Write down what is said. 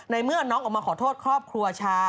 เมื่อน้องออกมาขอโทษครอบครัวชา